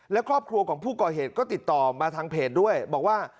และครอบครัวของผู้ก่อเหตุก็ติดต่อมาทางเพจด้วยบอกว่า